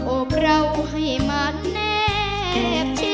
โอบเราให้มันเนบ